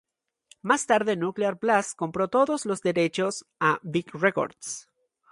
Más tarde Nuclear Blast compró todos los derechos a Vic Records.